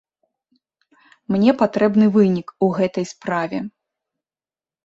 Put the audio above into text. Мне патрэбны вынік у гэтай справе.